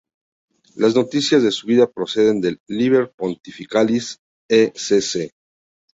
Las noticias de su vida proceden del "Liber Pontificalis" "Ecc.